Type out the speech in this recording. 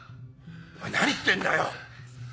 お前何言ってんだよ！